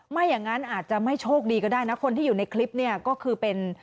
ไม่อย่างนั้นอาจจะไม่โชคดีก็ได้นะคนที่อยู่ในคลิปเนี่ยก็คือเป็น